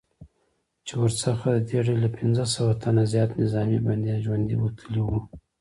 چې ورڅخه ددې ډلې له پنځه سوه تنه زیات نظامي بندیان ژوندي وتلي وو